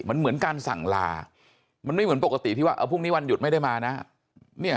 มันเหมือนการสั่งลามันไม่เหมือนปกติที่ว่าพรุ่งนี้วันหยุดไม่ได้มานะ